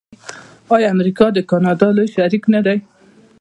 آیا امریکا د کاناډا لوی شریک نه دی؟